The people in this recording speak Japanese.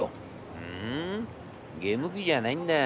『ふんゲーム機じゃないんだ。